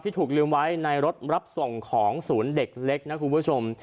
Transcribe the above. ถูกลืมไว้ในรถรับส่งของศูนย์เด็กเล็กนะคุณผู้ชม